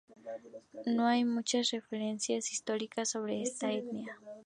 No hay muchas referencias históricas sobre esta etnia.